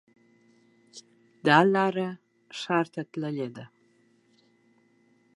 دا لاره ښار ته تللې ده